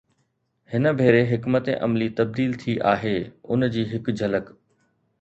هن ڀيري حڪمت عملي تبديل ٿي آهي، ان جي هڪ جھلڪ